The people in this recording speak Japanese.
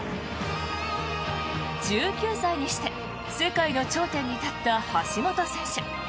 １９歳にして世界の頂点に立った橋本選手。